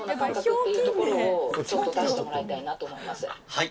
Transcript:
はい。